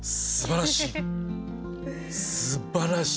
すばらしい。